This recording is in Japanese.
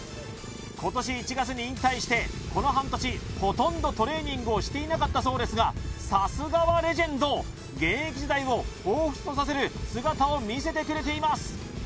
今年１月に引退してこの半年ほとんどトレーニングをしていなかったそうですがさすがはレジェンド現役時代を彷彿とさせる姿を見せてくれています